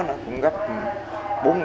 nó cũng rớt